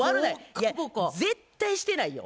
いや絶対してないよ。